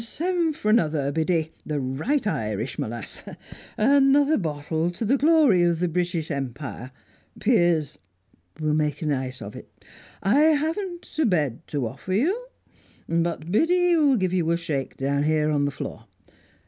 "Send for another, Biddy the right Irish, my lass! Another bottle to the glory of the British Empire! Piers, we'll make a night of it. I haven't a bed to offer you, but Biddy'll give you a shake down here on the floor.